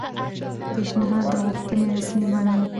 پیشنھاد د غوښتنې رسمي بڼه ده